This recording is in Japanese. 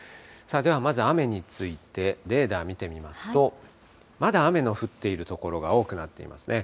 ではまず雨について、レーダー見てみますと、まだ雨の降っている所が多くなっていますね。